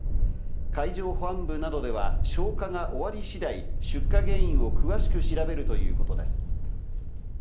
海上保安部などでは消火が終わり次第、出火原因を詳しく調べるということです。